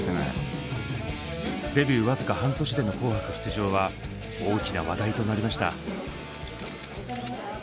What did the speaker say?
デビュー僅か半年での「紅白」出場は大きな話題となりました。